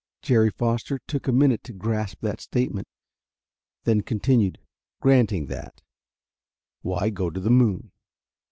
Jerry Foster took a minute to grasp that statement, then continued: "Granting that, why go to the moon?